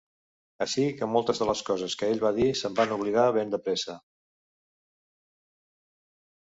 Així que moltes de les coses que ell va dir se'm van oblidar ben de pressa.